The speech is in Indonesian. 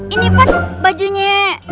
ini pak bajunya